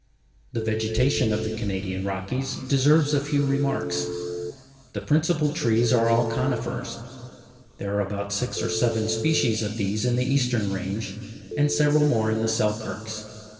The vegetation of the Canadian Rockies deserves a few remarks. The principal trees are all conifers. There are about six or seven species of these in the eastern range, and several more in the Selkirks.